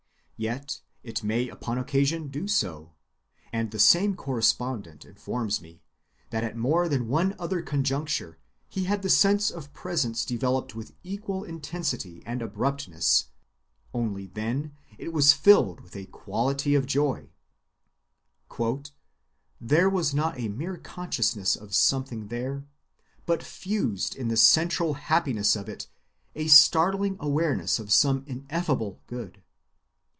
Yet it may upon occasion do so; and the same correspondent informs me that at more than one other conjuncture he had the sense of presence developed with equal intensity and abruptness, only then it was filled with a quality of joy. "There was not a mere consciousness of something there, but fused in the central happiness of it, a startling awareness of some ineffable good.